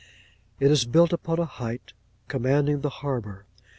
It is built upon a height, commanding the harbour.